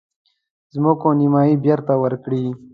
مځکو نیمايي بیرته ورکړي.